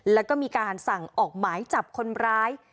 แล้วก็มีการสั่งออกหมายจับคนร้าย